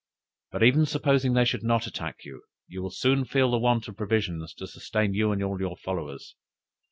But even supposing they should not attack you, you will soon feel the want of provisions to sustain you and all your followers.